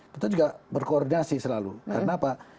kita juga berkoordinasi selalu karena apa